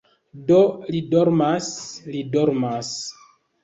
- Do li dormas, li dormas